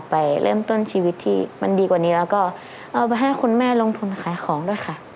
ไปเริ่มต้นชีวิตที่มันดีกว่านี้แล้วก็เอาไปให้คุณแม่ลงทุนขายของด้วยค่ะ